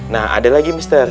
nah ada lagi mister